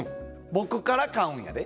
僕から買うんやで。